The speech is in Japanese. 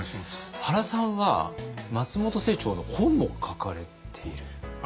原さんは松本清張の本も書かれている？